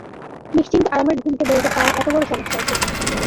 নিশ্চিন্ত আরামের ঘুম কে বলবে তাঁর এত বড় সমস্যা আছে।